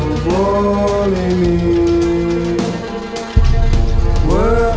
ya berlipat lipat lah